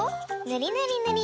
ぬりぬり。